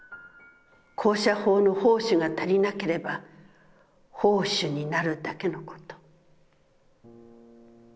高射砲の砲手が足りなければ砲手になるだけのこと」。